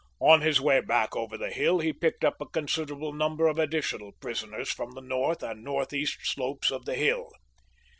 On his way back over the hill he picked up a considerable number of additional prisoners from the north and northeast slopes of the hill.